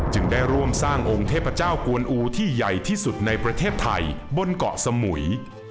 ได้ร่วมสร้างองค์เทพเจ้ากวนอูที่ใหญ่ที่สุดในประเทศไทยบนเกาะสมุย